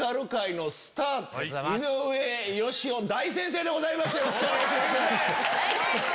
井上芳雄大先生でございます！